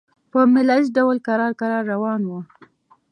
په مېله ییز ډول کرار کرار روان وو.